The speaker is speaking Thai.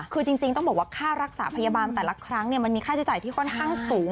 คือจริงต้องบอกว่าค่ารักษาพยาบาลแต่ละครั้งมันมีค่าใช้จ่ายที่ค่อนข้างสูง